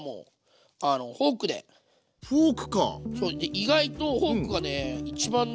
意外とフォークがね一番ね